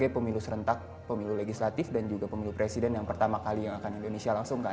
pemilu serentak pemilu legislatif dan juga pemilu presiden yang pertama kali yang akan indonesia langsungkan